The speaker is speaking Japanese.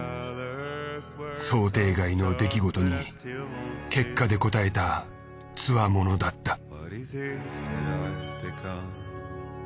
想定外の出来事に結果で応えたつわものだった。